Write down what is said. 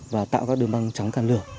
và tạo các đường băng trắng cản lửa